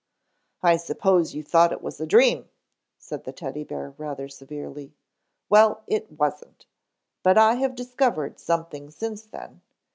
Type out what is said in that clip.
"I suppose you thought it was a dream," said the Teddy bear rather severely. "Well, it wasn't. But I have discovered something since then.